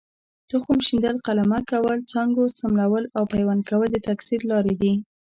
تخم شیندل، قلمه کول، څانګو څملول او پیوند کول د تکثیر لارې دي.